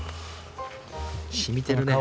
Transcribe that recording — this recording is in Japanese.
しみてるね。